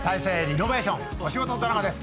リノベーションお仕事ドラマです。